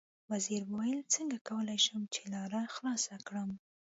وزیر وویل: څنګه کولای شم چې لاره خلاصه کړم.